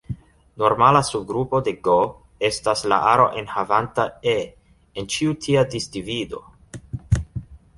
Normala subgrupo de "G" estas la aro enhavanta "e" en ĉiu tia disdivido.